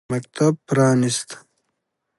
مکتب پرانیست.